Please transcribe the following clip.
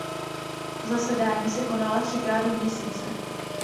Zasedání se konala třikrát do měsíce.